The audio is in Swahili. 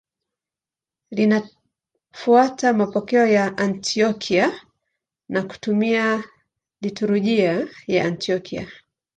Linafuata mapokeo ya Antiokia na kutumia liturujia ya Antiokia.